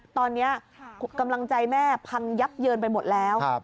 ตอนนี้กำลังใจแม่พังยับเยินไปหมดแล้ว